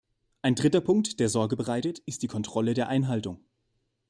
Ein dritter Punkt, der Sorge bereitet, ist die Kontrolle der Einhaltung.